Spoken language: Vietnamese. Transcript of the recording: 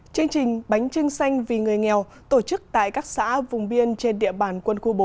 chương trình bánh trưng xanh vì người nghèo tổ chức tại các xã vùng biên trên địa bàn quân khu bốn